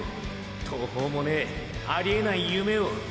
途方もねぇありえない夢を。